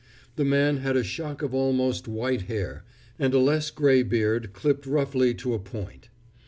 The man had a shock of almost white hair, and a less gray beard clipped roughly to a point.